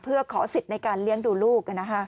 เพื่อขอสิทธิ์ในการเลี้ยงดูลูก